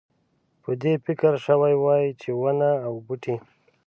په دې فکر شوی وای چې ونه او بوټی.